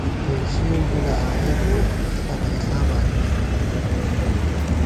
پېشېؤ گِلہ آئیېت بہ، څھدَئیݪا بالی نِمِنݮ